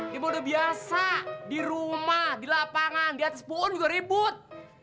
di mode biasa di rumah di lapangan di atas pohon juga ribut